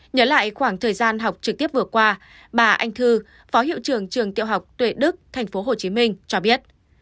nhớ lại khoảng thời gian học trực tiếp vừa qua bà anh thư phó hiệu trưởng trường tiểu học tuệ đức tp hcm cho biết